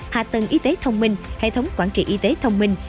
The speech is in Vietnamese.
hạ tầng y tế thông minh hệ thống quản trị y tế thông minh